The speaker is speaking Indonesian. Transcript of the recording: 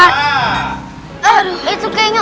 aduh itu kayaknya